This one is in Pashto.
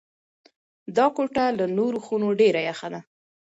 دا کوټه له نورو خونو ډېره یخه ده.